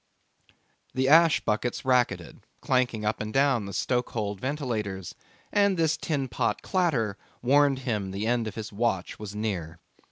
The ash buckets racketed, clanking up and down the stoke hold ventilators, and this tin pot clatter warned him the end of his watch was near.